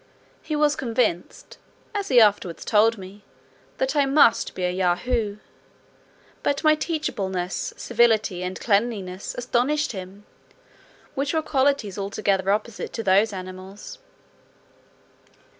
He was convinced (as he afterwards told me) that I must be a Yahoo; but my teachableness, civility, and cleanliness, astonished him; which were qualities altogether opposite to those animals.